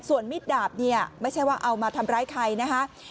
ส่วนมิดดาบเนี่ยไม่ใช่ว่าเอามาทำร้ายใครนะคะ